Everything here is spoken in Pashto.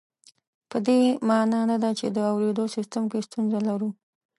په دې مانا نه ده چې د اورېدو سیستم کې ستونزه لرو